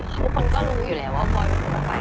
ทุกคนก็รู้อยู่แล้วว่าบอยค่อยคงเข้าไป